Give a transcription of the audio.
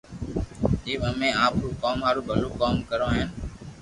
جو امي آپري قوم ھارو ڀلو ڪوم ڪرو ھين